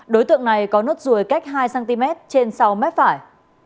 đối tượng này có nốt ruồi cách hai cm trên sau mép phải